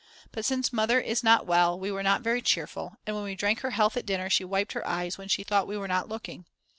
But since Mother is not well we were not very cheerful, and when we drank her health at dinner she wiped her eyes when she thought we were not looking.